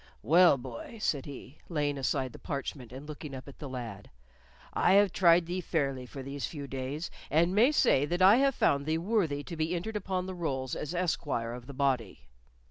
"Well, boy," said he, laying aside the parchment and looking up at the lad, "I have tried thee fairly for these few days, and may say that I have found thee worthy to be entered upon the rolls as esquire of the body."